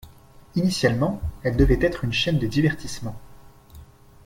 Initialement, elle devait être une chaîne de divertissement.